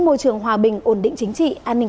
môi trường hòa bình ổn định chính trị an ninh